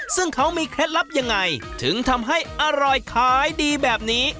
ซึ่งเขามีเคล็ดลับยังไงถึงทำให้อร่อยขายดีแบบนี้